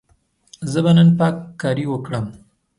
زه به نن پاککاري وکړم.